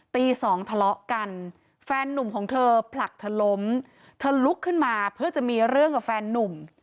ตีสองทะเลาะกันแฟนนุ่มของเธอผลักเธอล้มเธอลุกขึ้นมาเพื่อจะมีเรื่องกับแฟนนุ่ม